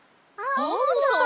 アンモさん。